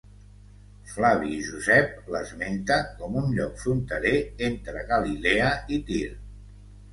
Flavi Josep l'esmenta com un lloc fronterer entre Galilea i Tir.